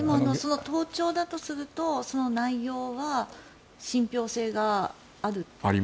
盗聴だとするとその内容は信ぴょう性がある？